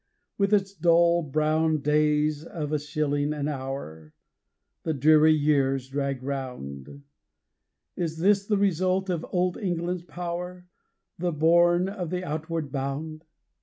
..... With its dull, brown days of a shilling an hour the dreary year drags round: Is this the result of Old England's power? the bourne of the Outward Bound?